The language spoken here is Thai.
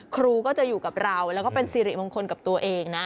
ครูก็จะอยู่กับเราแล้วก็เป็นสิริมงคลกับตัวเองนะ